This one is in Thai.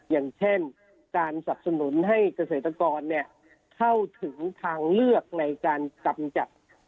อย่างเช่นการสับสนุนให้เกษตรกรเข้าถึงทางเลือกในการกำจัด